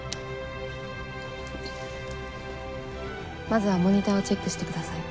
まずはモニターをチェックしてください。